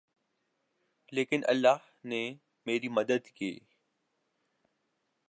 لیکن اللہ نے میری مدد کی